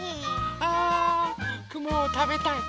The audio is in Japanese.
あくもをたべたい。